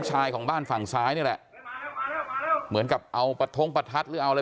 ชายของบ้านฝั่งซ้ายนี่แหละเหมือนกับเอาประท้งประทัดหรือเอาอะไร